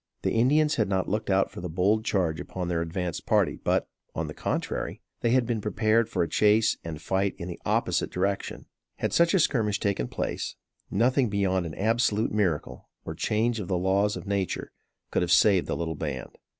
The Indians had not looked for the bold charge upon their advance party; but, on the contrary, they had been prepared for a chase and fight in the opposite direction. Had such a skirmish taken place, nothing beyond an absolute miracle, or change of the laws of nature, could have saved the little band.